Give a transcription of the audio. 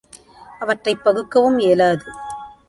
அவற்றைப் பகுக்கவும் இயலாது.